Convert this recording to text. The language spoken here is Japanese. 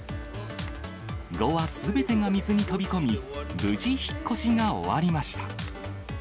５羽すべてが水に飛び込み、無事、引っ越しが終わりました。